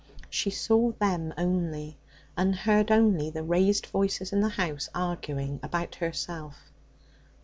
She saw them only, and heard only the raised voices in the house arguing about herself.